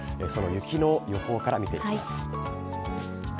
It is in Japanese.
その雪の予報から見ていきます。